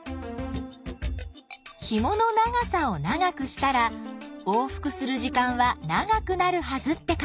ひもの長さを長くしたら往復する時間は長くなるはずって考えたんだね。